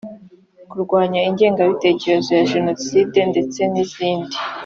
kurwanya ingengabitekerezo ya jenoside ndetse n’izindi